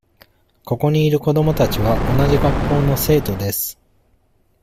ここにいる子どもたちは同じ学校の生徒です。